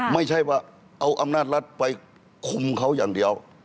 ไม่ใช่ว่าเอาอำนาจรัฐไปคุมเขาอย่างเดียว